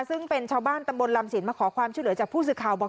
ซึ่งเป็นชาวบ้านตำบลลำสินมาขอความช่วยเหลือจากผู้สื่อข่าวบอก